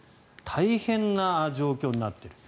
大変な状況になっている。